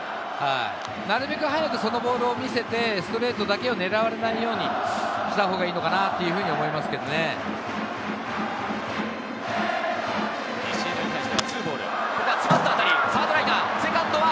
なるべく早くそのボールを見せて、ストレートだけを狙われないようにしたほうがいいのかなジャイアンツ、ドラゴンズの開幕戦。